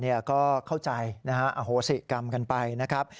ในชะลอก็เข้าใจอโฮสิกรรมกันไปนะครับ